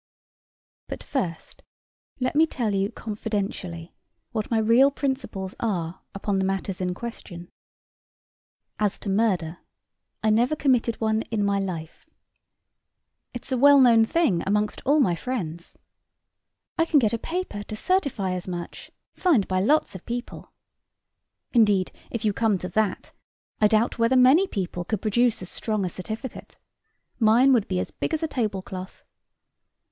But first let me tell you, confidentially, what my real principles are upon the matters in question. As to murder, I never committed one in my life. It's a well known thing amongst all my friends. I can get a paper to certify as much, signed by lots of people. Indeed, if you come to that, I doubt whether many people could produce as strong a certificate. Mine would be as big as a table cloth.